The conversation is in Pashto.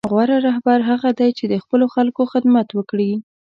غوره رهبر هغه دی چې د خپلو خلکو خدمت وکړي.